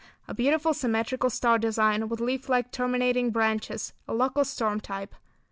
A beautiful symmetrical star design, with leaf like terminating branches. A local storm type.